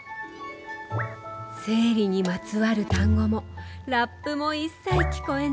生理にまつわる単語もラップも、一切聞こえない。